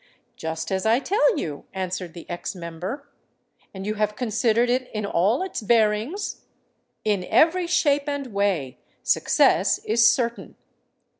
"Just as I tell you," answered the ex member. "And you have considered it in all its bearings?" "In every shape and way. Success is certain."